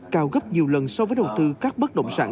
cao gấp nhiều lần so với đầu tư các bất động sản